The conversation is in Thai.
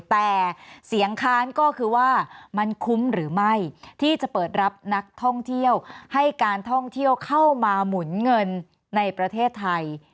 แต่เสียงค้านก็คือว่ามันคุ้มหรือไม่ที่จะเปิดรับนักท่องเที่ยวให้การท่องเที่ยวเข้ามาหมุนเงินในประเทศไทย